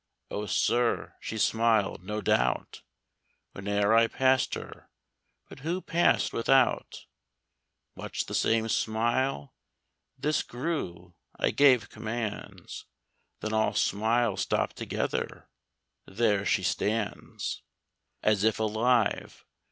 Oh sir, she smiled, no doubt, Whene'er I passed her; but who passed without Much the same smile? This grew; I gave commands; Then all smiles stopped together. There she stands As if alive.